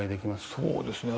そうですね